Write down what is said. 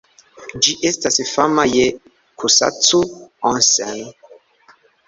Ĝi estas fama je Kusacu-Onsen.